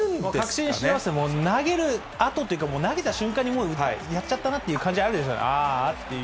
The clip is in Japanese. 確信してますね、投げるあとというか、もう投げた瞬間に、もうやっちゃったなっていう感じあるでしょうね、あーあっていう。